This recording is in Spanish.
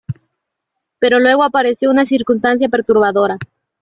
Pero luego apareció una circunstancia perturbadora.